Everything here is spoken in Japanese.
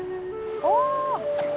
お！